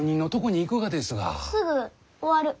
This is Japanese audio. すぐ終わる。